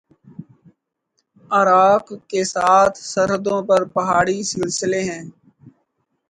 عراق کے ساتھ سرحدوں پر پہاڑی سلسلے ہیں